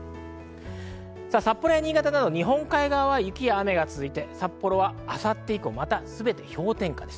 札幌や新潟など日本海側は雪や雨が続いて札幌は明後日以降すべて氷点下です。